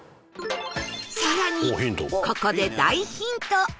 さらにここで大ヒント